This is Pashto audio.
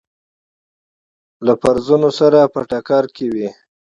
له فرضونو سره په ټکر کې وي.